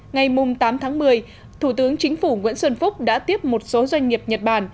ngày tám tháng một mươi thủ tướng chính phủ nguyễn xuân phúc đã tiếp một số doanh nghiệp nhật bản